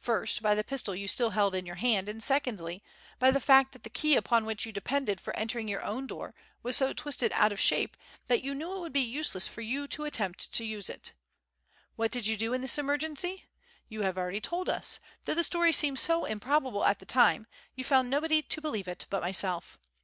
First, by the pistol you still held in your hand, and secondly, by the fact that the key upon which you depended for entering your own door was so twisted out of shape that you knew it would be useless for you to attempt to use it. What did you do in this emergency? You have already told us, though the story seemed so improbable at the time, you found nobody to believe it but myself.